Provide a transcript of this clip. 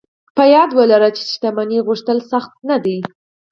په یاد و لرئ چې د شتمنۍ غوښتل سخت نه دي